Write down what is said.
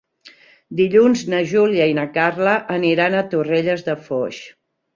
Dilluns na Júlia i na Carla aniran a Torrelles de Foix.